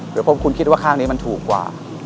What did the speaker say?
คุณคิดว่าข้างนี้มันถูกกว่า